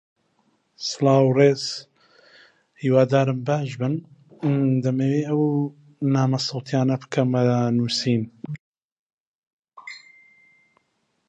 هەر هەیدیشی لێ دەکردین: